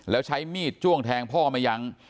แล้วใช้มีดจ้วงแทงพ่อไม่ยั้ง